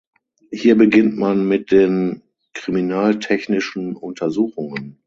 Hier beginnt man mit den kriminaltechnischen Untersuchungen.